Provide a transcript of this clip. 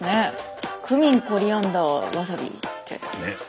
クミンコリアンダーワサビって。